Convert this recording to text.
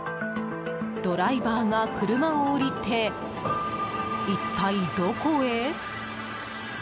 ドライバーが車を降りて一体どこへ？